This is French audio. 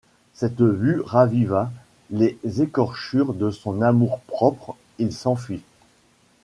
Cette vue raviva les écorchures de son amour-propre ; il s’enfuit.